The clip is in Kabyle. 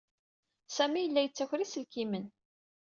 Sami yella yettaker iselkimen.